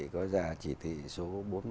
có ra chỉ thị số bốn mươi một